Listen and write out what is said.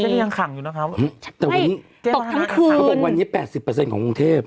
หลายเส้นยังขังอยู่นะครับเขาบอกวันนี้แปดสิบเปอร์เซ็นต์ของกรุงเทพ